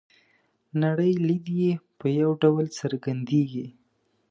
نړۍ لید یې په یوه ډول څرګندیږي.